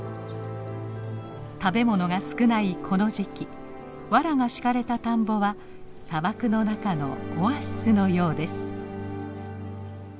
食べ物が少ないこの時期わらが敷かれた田んぼは砂漠の中のオアシスのようです。